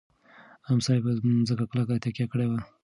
امسا یې په مځکه کلکه تکیه کړې وه.